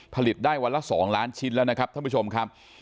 ผลิตได้วันละ๒ล้านชิ้นแล้วนะครับท่านผู้ชมครับ